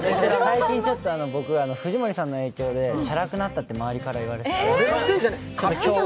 最近、藤森さんの影響で僕、チャラくなったって周りから言われてて。